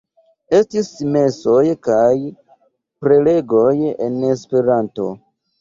Estis mesoj kaj prelegoj en Esperanto.